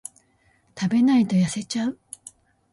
食べないと痩せちゃう